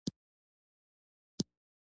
علم او پوهې په زېور سمبال کړو.